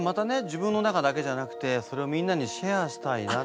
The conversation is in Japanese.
自分の中だけじゃなくてそれをみんなにシェアしたいなって。